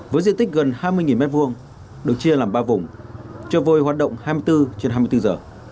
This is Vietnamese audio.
với diện tích gần hai mươi m hai được chia làm ba vùng cho vôi hoạt động hai mươi bốn trên hai mươi bốn giờ